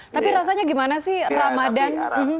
tapi rasanya gimana sih ramadan